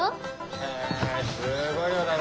へえすごい量だな。